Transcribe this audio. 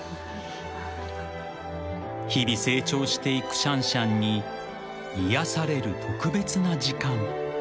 ［日々成長していくシャンシャンに癒やされる特別な時間］